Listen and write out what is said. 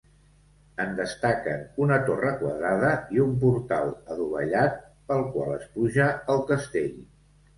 En destaquen una torre quadrada i un portal adovellat pel qual es puja al castell.